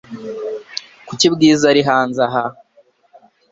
Kuki Bwiza ari hanze aha?